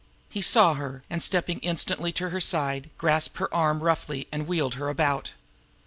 He saw her, and stepping instantly to her side, grasped her arm roughly and wheeled her about.